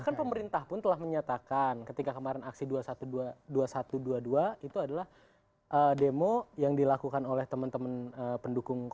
kan pemerintah pun telah menyatakan ketika kemarin aksi dua puluh satu dua puluh dua itu adalah demo yang dilakukan oleh teman teman pendukung dua